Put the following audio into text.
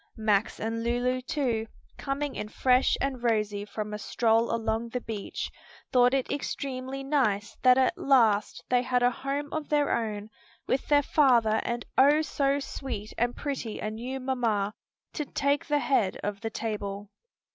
Max and Lulu too, coming in fresh and rosy from a stroll along the beach, thought it extremely nice that at last they had a home of their own with their father and so sweet and pretty a new mamma to take the head of the table.